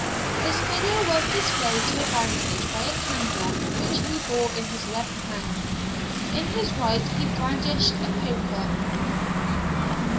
His figure was displayed to advantage by a candle which he bore in his left hand; in his right he brandished a poker.